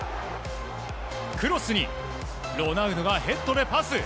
クロスにロナウドがヘッドでパス。